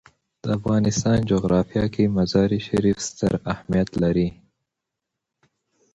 د افغانستان جغرافیه کې مزارشریف ستر اهمیت لري.